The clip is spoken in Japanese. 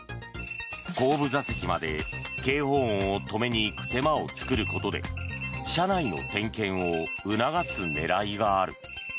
後部座席まで警報音を止めに行く手間を作ることで車内の点検を促す狙いがある。